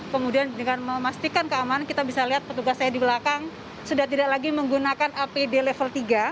kemudian dengan memastikan keamanan kita bisa lihat petugas saya di belakang sudah tidak lagi menggunakan apd level tiga